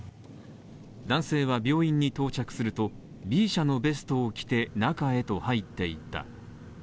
男性は病院に到着すると、Ｂ社のベストを着て、中へと入っていった。